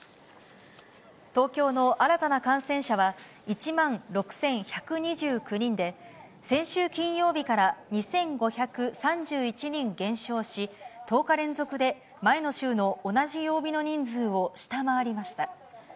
東京の新たな感染者は１万６１２９人で、先週金曜日から２５３１人減少し、１０日連続で前の週の同じ曜日の人数を下回りました。